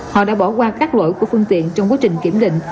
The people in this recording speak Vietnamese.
họ đã bỏ qua các lỗi của phương tiện trong quá trình kiểm định